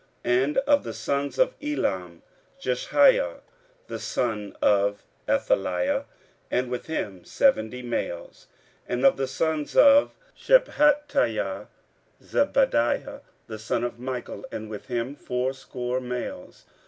15:008:007 And of the sons of Elam; Jeshaiah the son of Athaliah, and with him seventy males. 15:008:008 And of the sons of Shephatiah; Zebadiah the son of Michael, and with him fourscore males.